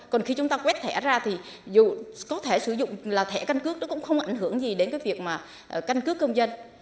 còn khi chúng ta quét thẻ ra thì dù có thể sử dụng là thẻ căn cước nó cũng không ảnh hưởng gì đến cái việc mà căn cước công dân